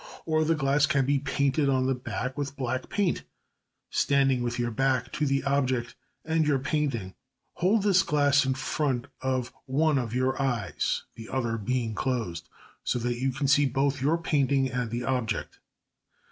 Or the glass can be painted on the back with black paint. Standing with your back to the object and your painting, hold this glass close in front of one of your eyes (the other being closed), so that you can see both your painting and the object.